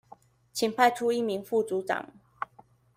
請派出一名副組長